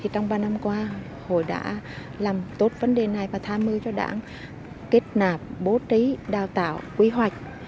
trong ba năm qua hội đã làm tốt vấn đề này và tham mưu cho đảng kết nạp bố trí đào tạo quy hoạch